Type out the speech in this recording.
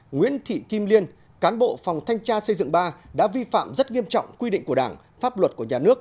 nguyễn thị kim liên cán bộ phòng thanh tra xây dựng ba đã vi phạm rất nghiêm trọng quy định của đảng pháp luật của nhà nước